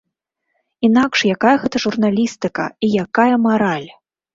Інакш якая гэта журналістыка і якая мараль?!